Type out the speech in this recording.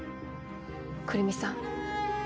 来美さん。